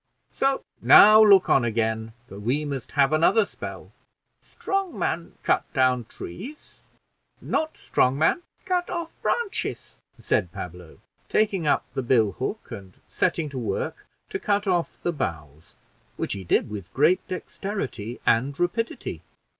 So now look on again, for we must have another spell." "Strong man cut down trees, not strong man cut off branches," said Pablo, taking up the bill hook and setting to work to cut off the boughs, which he did with great dexterity and rapidity.